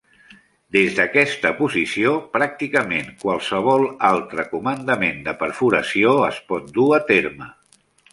Des d'aquesta posició, pràcticament qualsevol altre comandament de perforació es pot dur a terme.